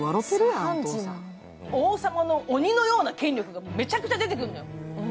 王様の鬼のような権力がめちゃくちゃ出てくる。